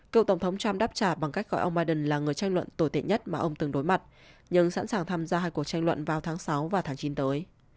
cựu tổng thống trump đáp trả bằng cách gọi ông biden là người tranh luận tồi tệ nhất mà ông từng đối mặt nhưng sẵn sàng tham gia hai cuộc tranh luận vào tháng sáu và tháng chín tới